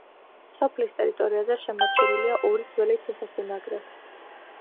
სოფლის ტერიტორიაზე შემორჩენილია ორი ძველი ციხესიმაგრე.